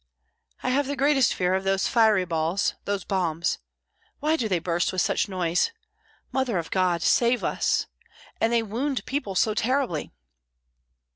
"I have the greatest fear of those fiery balls, those bombs. Why do they burst with such noise? Mother of God, save us! and they wound people so terribly."